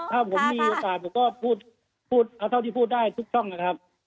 ถ้าผมมีโอกาสผมก็พูดเอาเท่าที่พูดได้ทุกช่องนะครับ